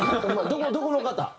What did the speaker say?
どこの方？